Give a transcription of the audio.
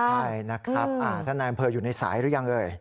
ใช่นะครับท่านนายอำเภออยู่ในสายหรือยังเอ่ย